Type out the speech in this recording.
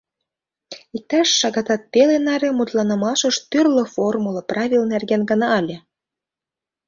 Иктаж шагатат пеле наре мутланымышт тӱрлӧ формула, правил нерген гына ыле.